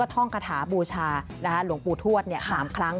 ท่องคาถาบูชาหลวงปู่ทวด๓ครั้ง